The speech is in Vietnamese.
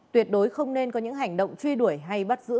tuyệt đối không nên có những hành động truy đuổi hay bắt giữ